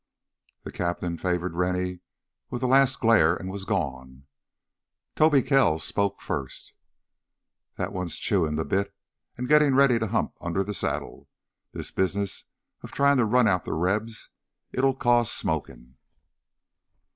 The captain favored Rennie with a last glare and was gone. Tobe Kells spoke first. "That one's chewin' th' bit an' gittin' ready to hump under th' saddle. This business of tryin' to run out th' Rebs, it'll cause smokin'!"